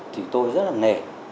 thì tôi rất là nề